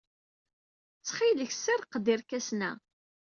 Ttxil-k, ssirreq-d irkasen-a.